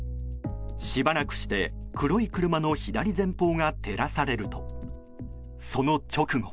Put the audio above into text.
しばらくして黒い車の左前方が照らされるとその直後。